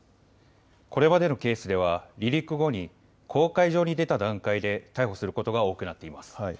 これまでのケースでは離陸後に公海上に出た段階で逮捕することが多くなっています。